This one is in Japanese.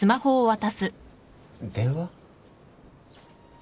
電話？